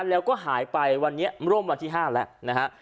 แล้วก็หายไปวันนี้ร่มวันที่๕แล้วนะฮะ